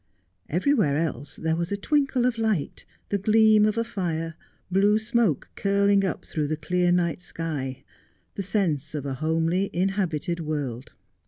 Everywhere else there was a twinkle of light, the gleam of a fire, blue smoke curling up through the clear night sky, the sense of a homely inhabited world.